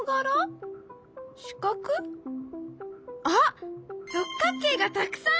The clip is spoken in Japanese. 四角？あっ六角形がたくさん！